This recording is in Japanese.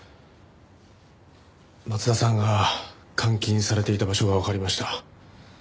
松田さんが監禁されていた場所がわかりました。